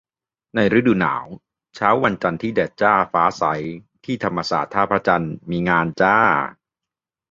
ในฤดูหนาว เช้าวันจันทร์ที่แดดจ้าฟ้าใส ที่ธรรมศาสตร์ ท่าพระจันทร์มีงานจ้า